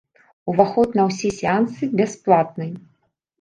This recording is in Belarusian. Уваход на ўсе сеансы бясплатны.